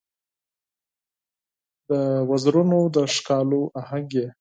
د وزرونو د ښکالو آهنګ یې